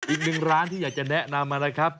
อีกหนึ่งร้านที่อยากจะแนะนำนะครับ